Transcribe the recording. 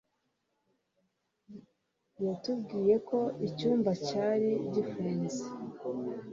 yatubwiye ko icyumba cyari gifunze